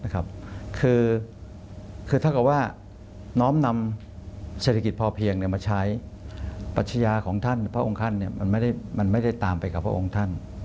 คือเท่ากับว่าน้อมนำเศรษฐกิจพอเพียงมาใช้ปัชญาของท่านพระองค์ท่านมันไม่ได้ตามไปกับพระองค์ท่าน